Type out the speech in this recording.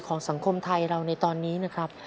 สังคมไทยเราในตอนนี้นะครับ